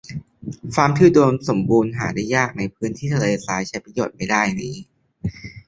ฟาร์มที่อุดมสมบูรณ์หาได้ยากในพื้นที่ทะเลทรายใช้ประโยชน์ไม่ได้นี้